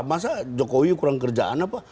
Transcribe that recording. masa jokowi kurang kerjaan apa